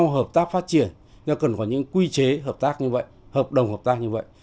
hợp tác phát triển nhưng cần có những quy chế hợp tác như vậy hợp đồng hợp tác như vậy